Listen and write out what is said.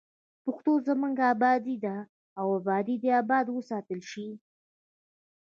پښتو زموږ ابادي ده او ابادي دې اباد وساتل شي.